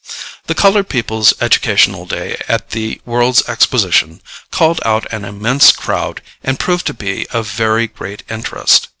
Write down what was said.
The Colored People's Educational Day at the World's Exposition called out an immense crowd and proved to be of very great interest.